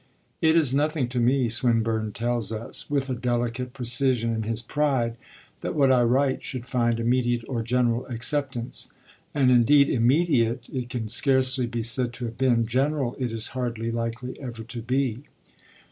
'It is nothing to me,' Swinburne tells us, with a delicate precision in his pride, 'that what I write should find immediate or general acceptance.' And indeed 'immediate' it can scarcely be said to have been; 'general' it is hardly likely ever to be.